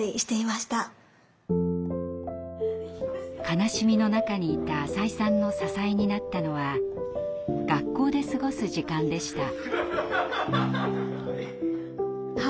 悲しみの中にいた浅井さんの支えになったのは学校で過ごす時間でした。